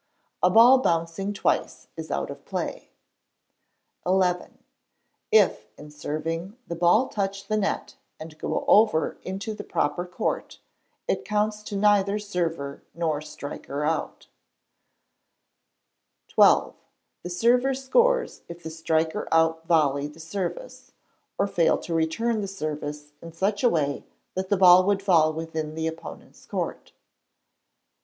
A ball bouncing twice is out of play. xi. If, in serving, the ball touch the net and go over into the proper court, it counts to neither server nor striker out. xii. The server scores if the striker out volley the service, or fail to return the service in such a way that the ball would fall within the opponents' court.